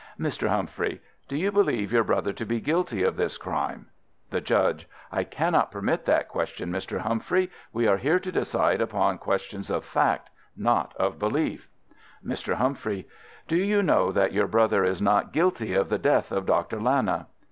Mr. Humphrey: Do you believe your brother to be guilty of this crime? The Judge: I cannot permit that question, Mr. Humphrey. We are here to decide upon questions of fact—not of belief. Mr. Humphrey: Do you know that your brother is not guilty of the death of Doctor Lana?